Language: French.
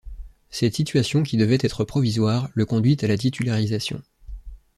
Cette situation, qui devait être provisoire, le conduit à la titularisation.